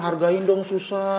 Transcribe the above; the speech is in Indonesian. hargain dong susah